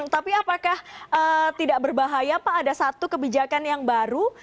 tapi apakah tidak berbahaya pak ada satu kebijakan yang baru